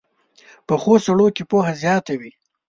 پخو سړو کې پوهه زیاته وي